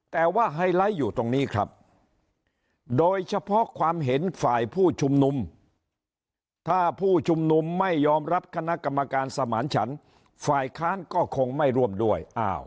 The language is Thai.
แต่ว่าไฮไลท์อยู่ตรงนี้ครับโดยเฉพาะความเห็นฝ่ายผู้ชุมนุมถ้าผู้ชุมนุมไม่ยอมรับคณะกรรมการสมานฉันฝ่ายค้านก็คงไม่ร่วมด้วย